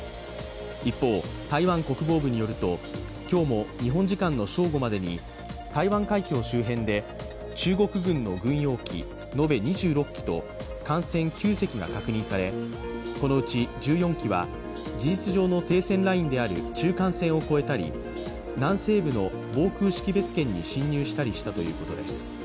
一方、台湾国防部によると、今日も日本時間の正午までに台湾海峡周辺で中国軍の軍用機延べ２６機と艦船９隻が確認され、このうち１４機は事実上の停戦ラインである中間線を越えたり南西部の防空識別圏に侵入したりしたということです。